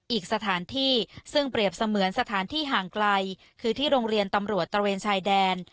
อีกสถานที่ซึ่งเปรียบเสมือนสถานที่ห่างไกลคือที่โรงเรียนตำรวจตระเวนชายแดน